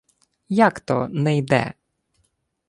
— Як то «не йде»?